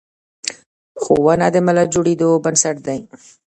ښوونه د ملت د جوړیدو بنسټ دی.